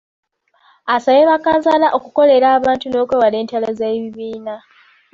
Asabye bakkansala okukolera abantu n’okwewala entalo z’ebibiina.